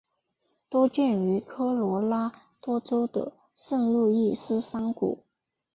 多见于科罗拉多州的圣路易斯山谷。